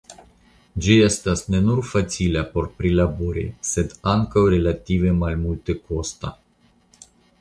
Ĝi estas ne nur facila por prilabori sed ankaŭ relative malmultekosta.